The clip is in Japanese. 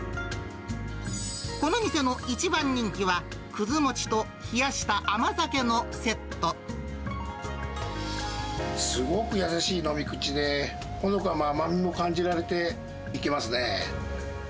この店の一番人気は、すごく優しい飲み口で、ほのかな甘みも感じられて、いけますね。